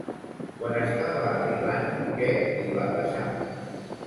Quan estava arribant, què li va passar?